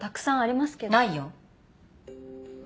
ないよ。